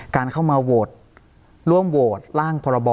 การเข้ามาโดยร่วมโหวตล่างพอรบอ